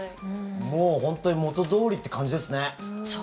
もう本当に元どおりって感じですね。